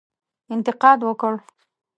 انتقاد وکړ.